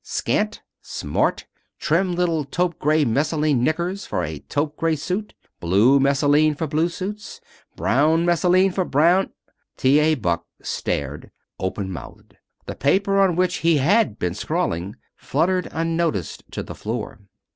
Scant, smart, trim little taupe gray messaline knickers for a taupe gray suit, blue messaline for blue suits, brown messaline for brown " T. A. Buck stared, open mouthed, the paper on which he had been scrawling fluttering unnoticed to the floor.